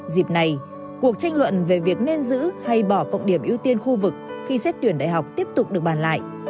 dịp này cuộc tranh luận về việc nên giữ hay bỏ cộng điểm ưu tiên khu vực khi xét tuyển đại học tiếp tục được bàn lại